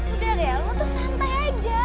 udah kayak lo tuh santai aja